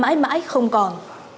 mãi mãi không còn